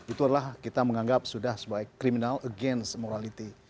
itulah kita menganggap sudah sebagai criminal against morality